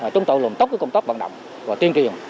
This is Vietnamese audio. chúng tôi làm tốt công tác vận động và tuyên truyền